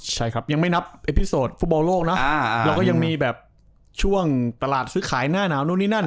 ใช่ครับยังไม่นับไอ้พิโสดฟุตบอลโลกนะเราก็ยังมีแบบช่วงตลาดซื้อขายหน้าหนาวนู่นนี่นั่น